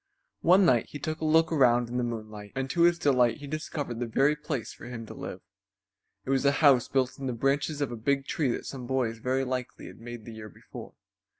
One night he took a look around in the moonlight, and to his delight he discovered the very place for him to live. It was a house built in the branches of a big tree that some boys very likely had made the year before.